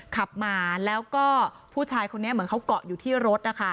ขับมาแล้วก็ผู้ชายคนนี้เหมือนเขาเกาะอยู่ที่รถนะคะ